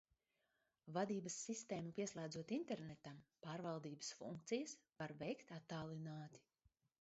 Vadības sistēmu pieslēdzot internetam, pārvaldības funkcijas var veikt attālināti.